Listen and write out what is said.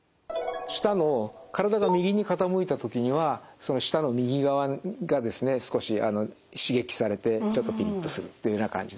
舌の体が右に傾いた時にはその舌の右側がですね少し刺激されてちょっとピリッとするというような感じですね。